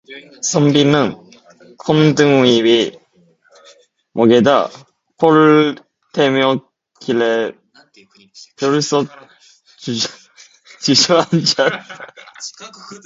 선비는 검둥이의 목에다 볼을 대며 길에 펄썩 주저앉았다.